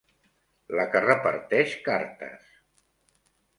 La que reparteix cartes.